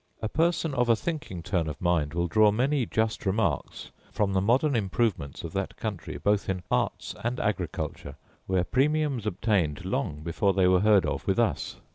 A person of a thinking turn of mind will draw many just remarks from the modern improvements of that country, both in arts and agriculture, where premiums obtained long before they were heard of with us.